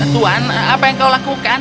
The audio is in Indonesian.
tuan apa yang kau lakukan